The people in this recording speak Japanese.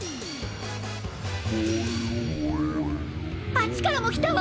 あっちからもきたわ。